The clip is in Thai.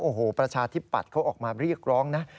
โอ้โหประชาธิปัตย์เขาออกมาเรียกร้องนะ